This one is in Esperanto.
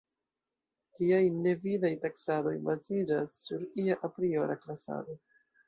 Tiaj ne vidaj taksadoj baziĝas sur ia apriora klasado.